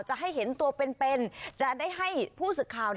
จะให้เห็นตัวเป็นจะได้ให้ผู้สึกข่าว